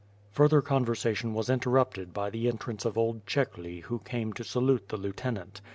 Further conversation was interrupted by the entrance of old Chekhly who came to salute the lieutenant.